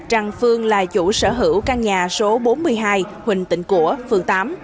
rằng phương là chủ sở hữu căn nhà số bốn mươi hai huỳnh tịnh của phường tám